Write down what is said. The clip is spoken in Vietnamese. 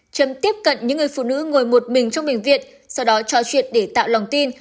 trầm tiếp cận những người phụ nữ ngồi một mình trong bệnh viện sau đó trò chuyện để tạo lòng tin